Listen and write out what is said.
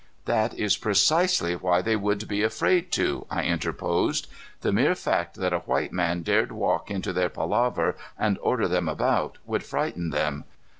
"That is precisely why they would be afraid to," I interposed. "The mere fact that a white man dared walk into their palaver and order them about, would frighten them.